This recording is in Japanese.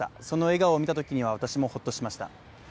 その笑顔を見たときには私もホッとしました。